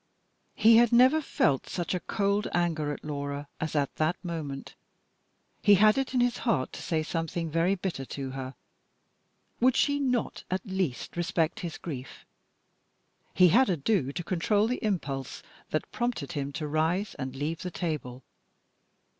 He had never felt such a cold anger at Laura as at that moment. He had it in his heart to say something very bitter to her. Would she not at least respect his grief? He had ado to control the impulse that prompted him to rise and leave the table.